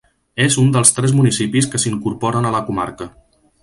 És un dels tres municipis que s'incorporen a la comarca.